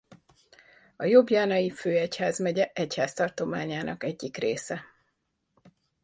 A Ljubljanai főegyházmegye egyháztartományának egyik része.